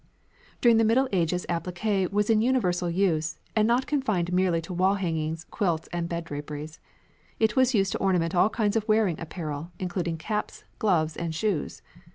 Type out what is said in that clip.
During the Middle Ages appliqué was in universal use, and not confined merely to wall hangings, quilts, and bed draperies. It was used to ornament all kinds of wearing apparel, including caps, gloves, and shoes.